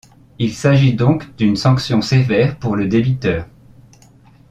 Il s'agit donc d'une sanction sévère pour le débiteur.